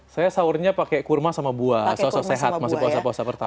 saya sahurnya pakai kurma sama buah sosok sehat masih puasa puasa pertama